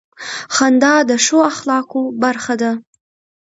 • خندا د ښو اخلاقو برخه ده.